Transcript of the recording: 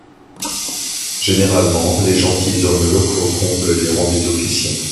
Généralement, les gentilshommes locaux comblent les rangs des officiers.